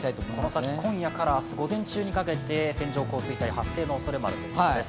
この先、今夜から、明日午前中にかけて線状降水帯発生のおそれがあります。